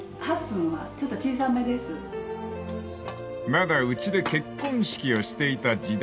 ［まだうちで結婚式をしていた時代］